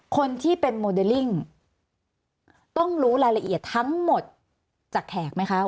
คนที่เป็นโมเดลลิ่งต้องรู้รายละเอียดทั้งหมดจากแขกไหมคะ